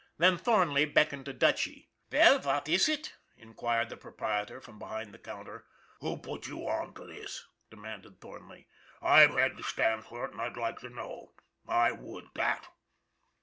Then Thornley beckoned to Dutchy. ' Veil, vat iss it ?" inquired the proprietor from be hind the counter. " Who put you on to this ?" demanded Thornley. "I've had to stand for it, and I'd like to know. I would that!